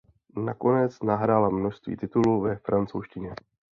Nakonec nahrála množství titulů ve francouzštině.